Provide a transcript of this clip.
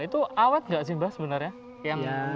itu awet nggak sih mbah sebenarnya